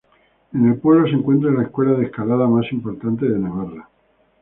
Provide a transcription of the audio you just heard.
En el pueblo se encuentra la escuela de escalada más importante de Navarra.